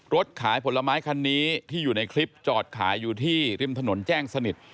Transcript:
รถขายผลไม้คันนี้ที่อยู่ในคลิปจอดขายอยู่ที่ริมถนนแจ้งสนิท